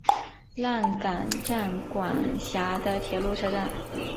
浪冈站管辖的铁路车站。